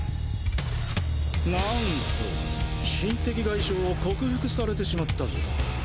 なんと心的外傷を克服されてしまったぞ。